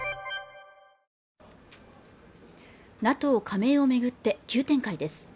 ＮＡＴＯ加盟を巡って急展開です